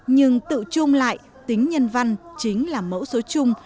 nhưng tự trung lại tính nhân văn chính là mẫu số chung